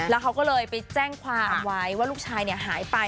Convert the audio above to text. แล้วเขาก็เลยไปแจ้งความไว้ว่าลูกชายหายไป